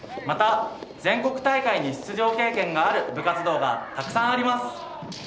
また全国大会に出場経験がある部活動はたくさんあります。